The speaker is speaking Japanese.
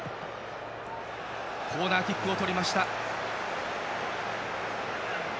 コーナーキックをとりました。